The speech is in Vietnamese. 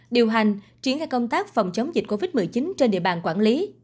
điều hành triển khai công tác phòng chống dịch covid một mươi chín trên địa bàn quản lý